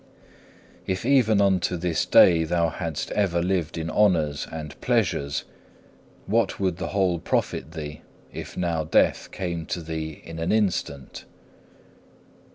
7. If even unto this day thou hadst ever lived in honours and pleasures, what would the whole profit thee if now death came to thee in an instant?